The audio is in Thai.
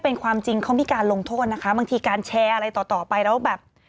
เป็นความจริงเขามีการลงโทษนะคะบางทีการแชร์อะไรต่อต่อไปแล้วแบบ